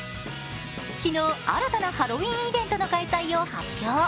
昨日新たなハロウィーンイベントの開催を発表。